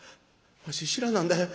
わし知らなんだ。